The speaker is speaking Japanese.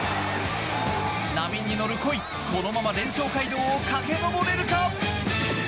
波に乗る鯉、このまま連勝街道を駆け上れるか？